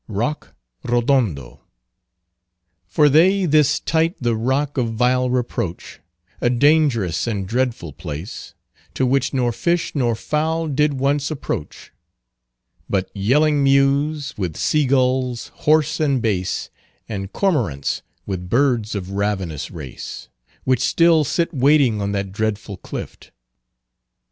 ROCK RODONDO. "For they this tight the Rock of vile Reproach, A dangerous and dreadful place, To which nor fish nor fowl did once approach, But yelling meaws with sea gulls hoars and bace And cormoyrants with birds of ravenous race, Which still sit waiting on that dreadful clift."